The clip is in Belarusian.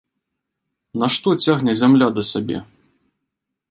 Нашто цягне зямля да сябе?